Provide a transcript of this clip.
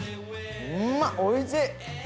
おいしい。